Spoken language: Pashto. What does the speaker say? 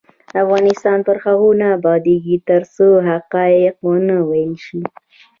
افغانستان تر هغو نه ابادیږي، ترڅو حقایق ونه ویل شي.